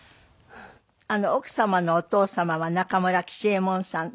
奥様のお父様は中村吉右衛門さん。